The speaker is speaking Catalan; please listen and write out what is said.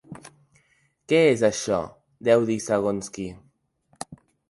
Què és això, deu dir segons qui.